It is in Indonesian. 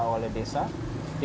dikelola oleh sosial media